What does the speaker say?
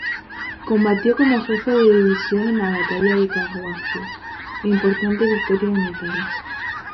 Combatió como jefe de división en la batalla de Caaguazú, importante victoria unitaria.